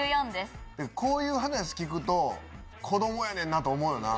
こういう話聞くと子供やねんなと思うよな。